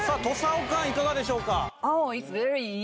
おかんいかがでしょうか？